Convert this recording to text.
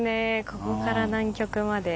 ここから南極まで。